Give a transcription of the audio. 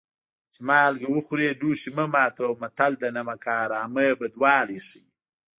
چې مالګه وخورې لوښی مه ماتوه متل د نمک حرامۍ بدوالی ښيي